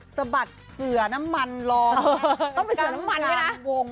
สะบัดเสื่อน้ำมันรองกลางการกับวง